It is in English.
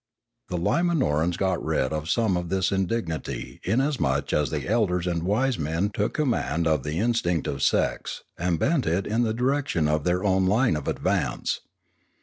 The Limanorans had got rid of some of this indignity inasmuch as the elders and wise men took command of the instinct of sex, and bent it in the direction of their own line of advance.